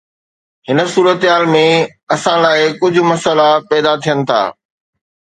هن صورتحال ۾، اسان لاء، ڪجهه مسئلا پيدا ٿين ٿا